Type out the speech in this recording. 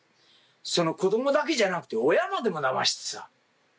子供だけじゃなくて親までもだましてさ。